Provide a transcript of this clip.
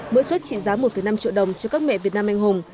mỗi suất trị giá một năm triệu đồng cho các mẹ việt nam anh hùng